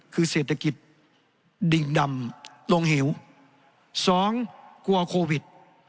คือเศรษฐกิจดิ่งดำลงเหวสองกลัวโควิด